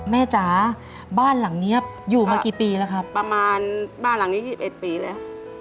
จ๋าบ้านหลังนี้อยู่มากี่ปีแล้วครับประมาณบ้านหลังนี้๒๑ปีแล้ว